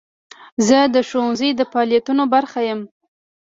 زه د ښوونځي د فعالیتونو برخه یم.